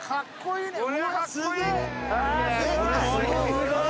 すごい！